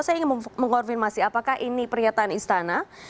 saya ingin mengonfirmasi apakah ini pernyataan istana